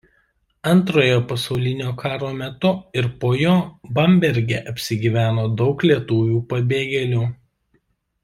Antrojo pasaulinio karo metu ir po jo Bamberge apsigyveno daug lietuvių pabėgėlių.